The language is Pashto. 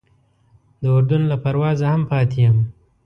د اردن له پروازه هم پاتې یم.